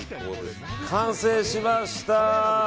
完成しました！